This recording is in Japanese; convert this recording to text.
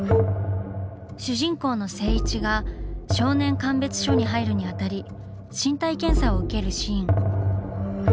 主人公の静一が少年鑑別所に入るにあたり身体検査を受けるシーン。